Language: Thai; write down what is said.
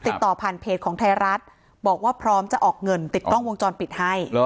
ติดต่อผ่านเพจของไทยรัฐบอกว่าพร้อมจะออกเงินติดกล้องวงจรปิดให้